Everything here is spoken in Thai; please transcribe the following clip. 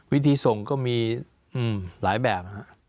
วิธีส่งก็มีหลายแบบ